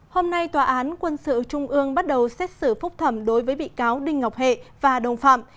hôm nay tòa án quân sự trung ương bắt đầu xét xử phúc thẩm đối với bị cáo đinh ngọc hệ và đồng phạm